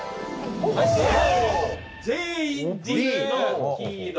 全員「Ｄ」の黄色。